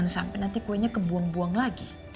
sampai nanti kuenya kebuang buang lagi